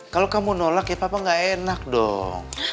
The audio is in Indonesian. kalau kamu nolak ya papa gak enak dong